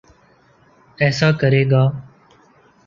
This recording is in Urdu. ایسا کرے گا۔